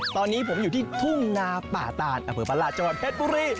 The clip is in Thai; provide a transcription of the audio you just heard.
ตอนนี้ผมอยู่ที่ทุ่งนาป่าตานอำเภอประหลาดจังหวัดเพชรบุรี